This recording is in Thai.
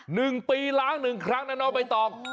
หนึ่งปีล้างหนึ่งครั้งนะเนาะไปต่อ